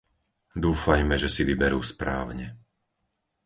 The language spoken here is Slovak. Dúfajme, že si vyberú správne!